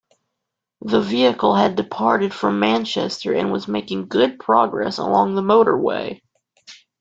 The vehicle had departed from Manchester and was making good progress along the motorway.